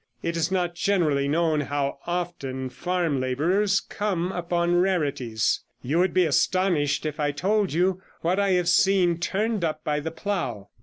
It is not generally known how often farm labourers come upon rarities; you would be astonished if I told you what I have seen turned up by the plough.